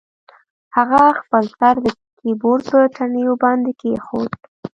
هغه خپل سر د کیبورډ په تڼیو باندې کیښود